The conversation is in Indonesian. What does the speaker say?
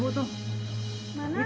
bentar ya bentar ya